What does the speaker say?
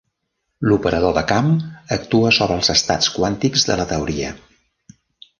L'operador de camp actua sobre els estats quàntics de la teoria.